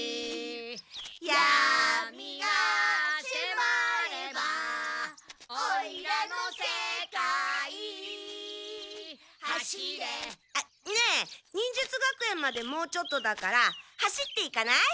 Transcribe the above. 闇が迫ればおいらの世界走れ」ねえ忍術学園までもうちょっとだから走っていかない？